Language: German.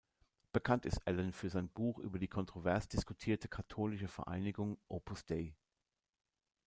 Bekannt ist Allen für sein Buch über die kontrovers diskutierte katholische Vereinigung Opus Dei.